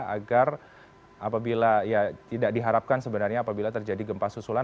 agar apabila ya tidak diharapkan sebenarnya apabila terjadi gempa susulan